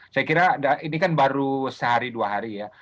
saya kira ini kan baru sehari dua hari ya